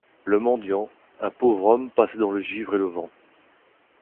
le mendiant, un pauvre homme passait dans le givre et le vent.